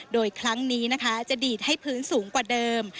โดยครั้งนี้นะคะจะดีดให้พื้นสูงกว่าเดิม